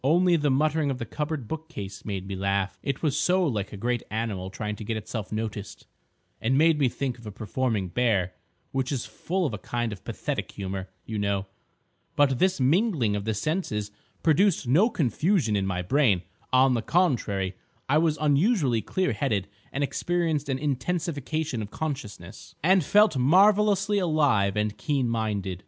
"Only the muttering of the cupboard bookcase made me laugh. It was so like a great animal trying to get itself noticed, and made me think of a performing bear—which is full of a kind of pathetic humour, you know. But this mingling of the senses produced no confusion in my brain. On the contrary, I was unusually clear headed and experienced an intensification of consciousness, and felt marvellously alive and keen minded.